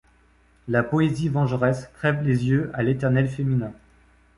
La poésie vengeresse crève les yeux à l’Éternel féminin.